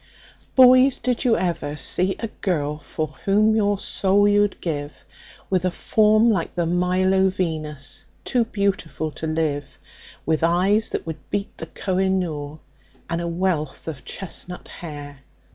"Boys, did you ever see a girl for whom your soul you'd give, With a form like the Milo Venus, too beautiful to live; With eyes that would beat the Koh i noor, and a wealth of chestnut hair?